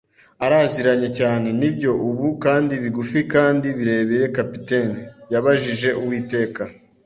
araziranye cyane. ” “Nibyo, ubu, kandi bigufi kandi birebire, capitaine?” yabajije Uwiteka